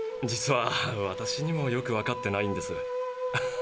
実は私にもよくわかってないんです。